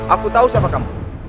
aku tahu siapa kamu